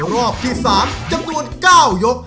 รอบที่๓จำนวน๙ยก